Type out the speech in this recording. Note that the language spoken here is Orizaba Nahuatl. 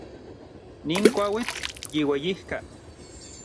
Nin kuauitl yiueyijka.